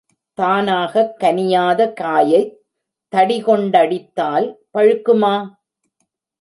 தானாகக் கனியாத காயைத் தடிகொண்டடித்தால் பழுக்குமா?